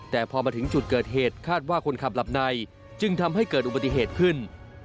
แต่พอมาถึงจุดเกิดเหตุคาดว่าคนขับหลับในจึงทำให้เกิดอุบัติเหตุขึ้น